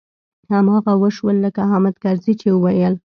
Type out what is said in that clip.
هماغه و شول لکه حامد کرزي چې ويل.